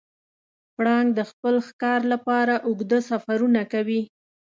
پړانګ د خپل ښکار لپاره اوږده سفرونه کوي.